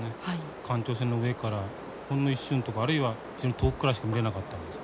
観潮船の上からほんの一瞬とかあるいは非常に遠くからしか見れなかったんです。